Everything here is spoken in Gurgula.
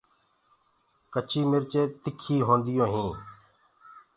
سوآ مرچ تِکآ هوندآ هينٚ۔